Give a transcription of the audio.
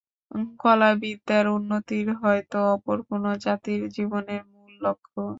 কলাবিদ্যার উন্নতিই হয়তো অপর কোন জাতির জীবনের মূল লক্ষ্য।